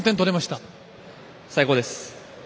最高です。